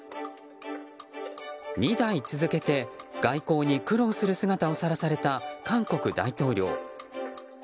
２代続けて外交に苦労する姿をさらされた韓国大統領。